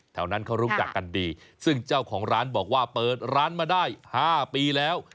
แถวนั้นเขารู้จักกันดีซึ่งเจ้าของร้านบอกว่าเปิดร้านมาได้๕ปีแล้ว